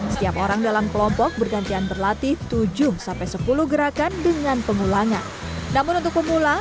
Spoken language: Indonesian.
setiap orang dalam kelompok bergantian berlatih tujuh sepuluh gerakan dengan pengulangan namun untuk pemula